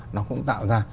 nó cũng tạo ra